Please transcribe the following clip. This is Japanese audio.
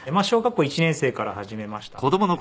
小学校１年生から始めましたので。